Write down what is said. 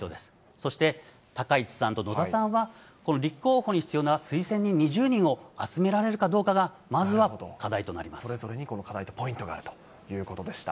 そして高市さんと野田さんは、この立候補に必要な推薦人２０人を集められるかどうかが、まずはそれぞれに課題とポイントがあるということでした。